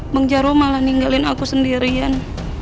bang jaro malah ninggalin aku sendirian